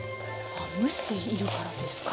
蒸しているからですか？